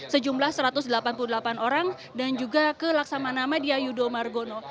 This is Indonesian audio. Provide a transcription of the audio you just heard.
sejumlah satu ratus delapan puluh delapan orang dan juga ke laksamanama dia yudo margono